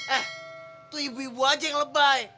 eh tuh ibu ibu aja yang lebay